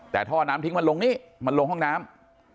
แต่ท่อน้ำทิ้งมันลงนี่มันลงห้องน้ำ